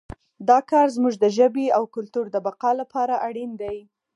دا کار زموږ د ژبې او کلتور د بقا لپاره اړین دی